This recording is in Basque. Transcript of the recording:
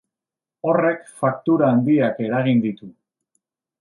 Horrek faktura handiak eragin ditu.